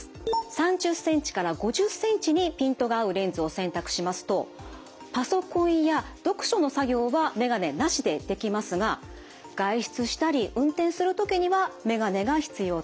３０ｃｍから５０ｃｍにピントが合うレンズを選択しますとパソコンや読書の作業は眼鏡なしでできますが外出したり運転する時には眼鏡が必要となります。